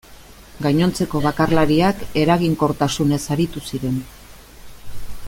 Gainontzeko bakarlariak eraginkortasunez aritu ziren.